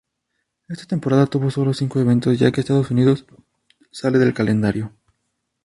Esta temporada tuvo solo cinco eventos ya que Estados Unidos sale del calendario.